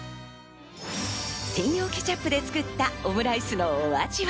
専用ケチャップで作ったオムライスのお味は？